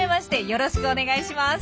よろしくお願いします。